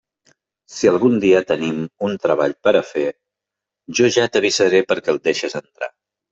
Si algun dia tenim un treball per a fer, jo ja t'avisaré perquè el deixes entrar.